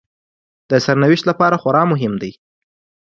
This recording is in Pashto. د سرنوشت لپاره خورا مهم دي